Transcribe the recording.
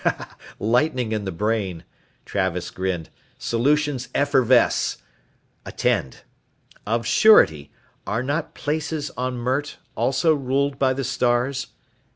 "Lightning in the brain," Travis grinned, "solutions effervesce. Attend. Of surety, are not places on Mert also ruled by the stars?